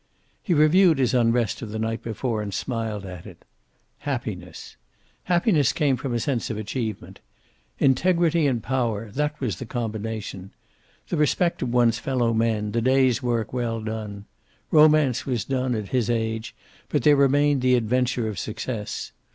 He reviewed his unrest of the night before, and smiled at it. Happiness. Happiness came from a sense of achievement. Integrity and power, that was the combination. The respect of one's fellow men, the day's work well done. Romance was done, at his age, but there remained the adventure of success.